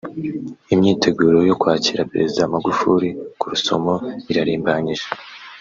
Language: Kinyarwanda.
Imyiteguro yo kwakira Perezida Magufuli ku Rusumo irarimbanyije